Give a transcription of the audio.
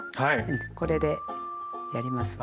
これでやりますね。